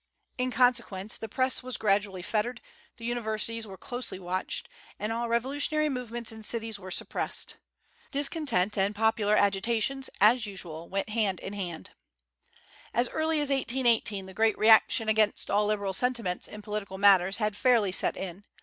In consequence, the Press was gradually fettered, the universities were closely watched, and all revolutionary movements in cities were suppressed. Discontent and popular agitations, as usual, went hand in hand. As early as 1818 the great reaction against all liberal sentiments in political matters had fairly set in.